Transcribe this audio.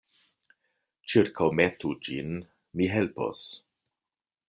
Ĉirkaŭmetu ĝin; mi helpos.